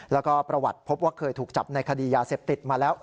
แล้วก็ประวัติพบว่าเคยถูกจับในคดียาเสพติดมาแล้ว